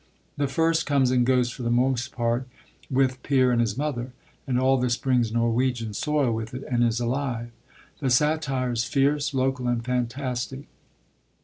The first comes and goes for the most part with Peer and his mother; and all this brings Norwegian soil with it, and is alive. The satire is fierce, local, and fantastic.